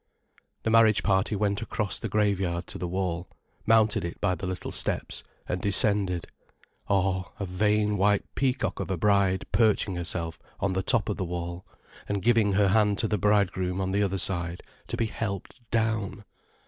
The marriage party went across the graveyard to the wall, mounted it by the little steps, and descended. Oh, a vain white peacock of a bride perching herself on the top of the wall and giving her hand to the bridegroom on the other side, to be helped down!